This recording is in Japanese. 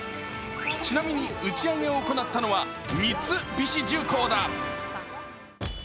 ちなみに打ち上げを行ったのは三菱重工だ。